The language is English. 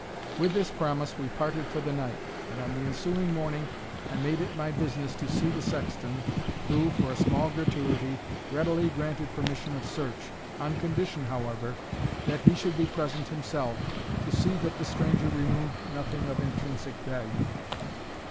With this promise we parted for the night; and on the ensuing morning I made it my business to see the sexton, who, for a small gratuity, readily granted permission of search, on condition, however, that he should be present himself, to see that the stranger removed nothing of intrinsic value.